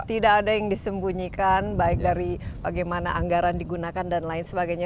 tidak ada yang disembunyikan baik dari bagaimana anggaran digunakan dan lain sebagainya